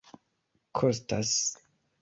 kostas